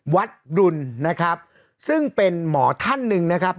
วัดรุนนะครับซึ่งเป็นหมอท่านหนึ่งนะครับ